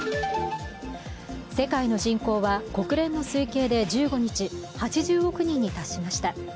世界の人口は国連の推計で１５日、８０億人に達しました。